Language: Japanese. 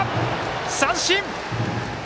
三振！